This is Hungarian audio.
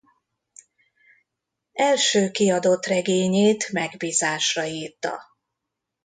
Első kiadott regényét megbízásra írta.